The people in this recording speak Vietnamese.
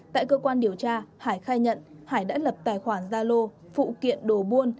tại cơ quan điều tra hải khai nhận hải đã lập tài khoản gia lô phụ kiện đồ buôn